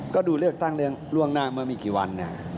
ก็ดูเลือกตั้งล่วงหน้าเมื่อไม่กี่วัน